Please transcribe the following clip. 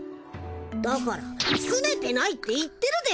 だからすねてないって言ってるでしょ！